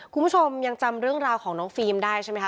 คุณผู้ชมยังจำเรื่องราวของน้องฟิล์มได้ใช่ไหมคะ